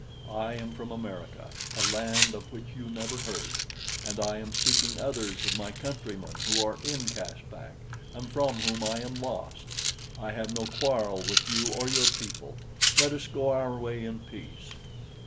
"I am from America, a land of which you never heard, and I am seeking others of my countrymen who are in Caspak and from whom I am lost. I have no quarrel with you or your people. Let us go our way in peace."